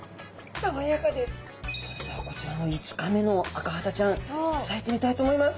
さあこちらの５日目のアカハタちゃん頂いてみたいと思います。